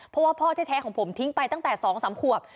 เพราะว่าพ่อแท้ของผมทิ้งไปตั้งแต่๒๓ขวบ